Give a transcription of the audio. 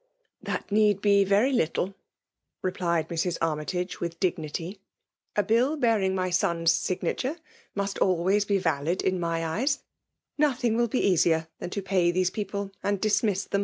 *'<* That need be very litde,'' leptted Mss. Annytage, with dignity* '' A bill bearing ay soa^s signature must always be valid in my eyea If othng wiQ be earner than to pay diese pesple, and dismiss ^mb.